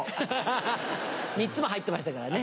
ハハハ３つも入ってましたからね。